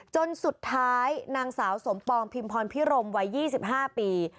จนสุดท้ายนางสาวสมปองพิมพรพิรมวัย๒๕ปี